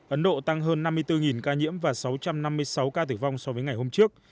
ấn độ tăng hơn năm mươi bốn ca nhiễm và sáu trăm năm mươi sáu ca tử vong so với ngày hôm trước